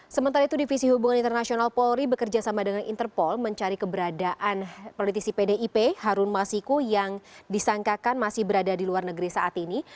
sementara itu divisi hubungan internasional polri bekerja sama dengan interpol mencari keberadaan politisi pdip harun masiku yang disangkakan masih berada di luar negeri saat ini